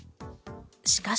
しかし。